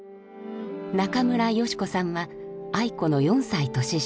中村代詩子さんは愛子の４歳年下。